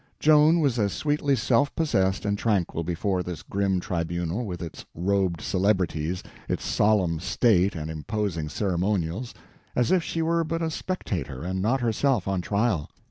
Joan was as sweetly self possessed and tranquil before this grim tribunal, with its robed celebrities, its solemn state and imposing ceremonials, as if she were but a spectator and not herself on trial.